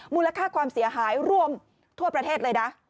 มูลค่าความเสียหายร่วมทั่วประเทศเลยนะ